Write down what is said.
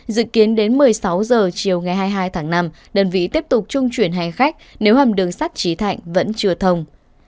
dự kiến đến một mươi sáu h chiều ngày hai mươi hai tháng năm đơn vị tiếp tục trung chuyển hành khách nếu hầm đường sắt trí thạnh vẫn chưa thông